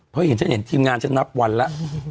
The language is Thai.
เพราะฉะนั้นเห็นทีมงานชั้นนับวันล่ะ